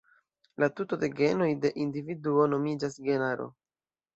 La tuto de genoj de individuo nomiĝas genaro.